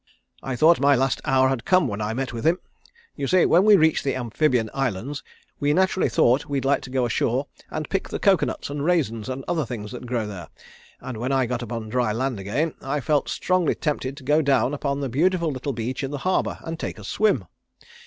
I thought my last hour had come when I met with him. You see when we reached the Amphibian Islands, we naturally thought we'd like to go ashore and pick the cocoanuts and raisins and other things that grow there, and when I got upon dry land again I felt strongly tempted to go down upon the beautiful little beach in the harbour and take a swim.